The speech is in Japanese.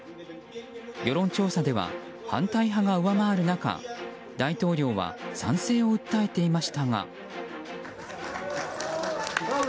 世論調査では反対派が上回る中大統領は賛成を訴えていましたが。